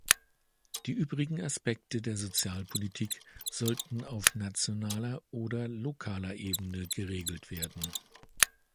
Die übrigen Aspekte der Sozialpolitik sollten auf nationaler oder lokaler Ebene geregelt werden.